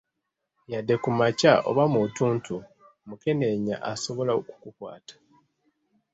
Yadde kumakya oba mu ttuntu, mukenenya asobola okukukwata.